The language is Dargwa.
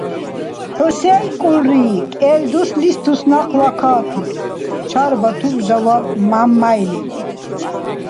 — Хӏу сейкӏулри? Кӏел дуслис туснакъла катур, — чарбатур жаваб Мямяйли…